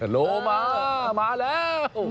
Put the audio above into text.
โลมามาแล้ว